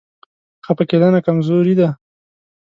خفه کېدنه کمزوري ده.